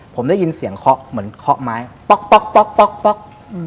ผมได้ยินเสียงเคาะเหมือนเคาะไม้ป๊อกป๊อก